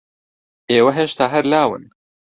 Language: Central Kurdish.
ئێوە ھێشتا ھەر لاون.